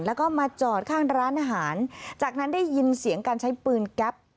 แล้วก็มาจอดข้างร้านอาหารจากนั้นได้ยินเสียงการใช้ปืนแก๊ป